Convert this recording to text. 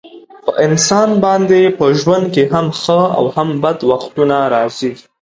په انسان باندې په ژوند کې هم ښه او هم بد وختونه راځي.